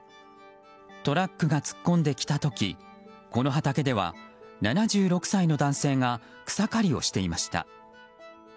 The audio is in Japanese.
トラックが突っ込んできた時この畑では、７６歳の男性が草刈りをしていました。